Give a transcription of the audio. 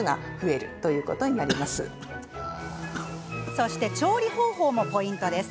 そして調理方法もポイントです。